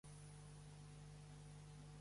Els estudiants catalans s